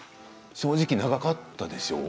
正直長かったでしょう。